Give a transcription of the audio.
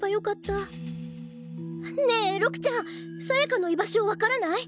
ねえ六ちゃんさやかの居場所分からない？